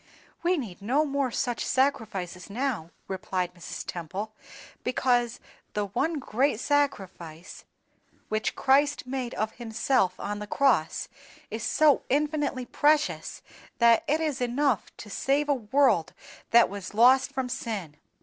"We need no more such sacrifices now," replied Mrs. Temple, "because the One great Sacrifice which Christ made of Himself on the cross is so infinitely precious, that it is enough to save a world that was lost from sin.